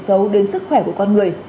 xấu đến sức khỏe của con người